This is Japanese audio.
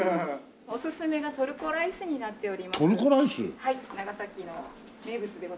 おすすめがトルコライスになっております。